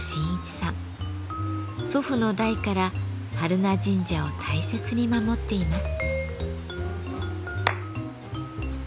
祖父の代から榛名神社を大切に守っています。